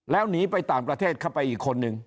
แล้วหนีไปต่างประเทศเข้าไปอีกคนนึง